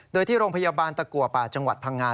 โดยที่โรงพยาบาลตะกัวป่าจังหวัดพังงา